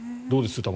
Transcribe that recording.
どうです？